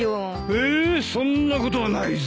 えっそんなことはないぞ。